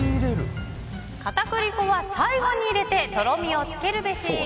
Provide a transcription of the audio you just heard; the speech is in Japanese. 片栗粉は最後に入れてとろみをつけるべし。